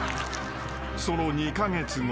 ［その２カ月後］